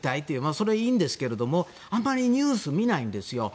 それはいいんですけどあまりニュースを見ないんですよ。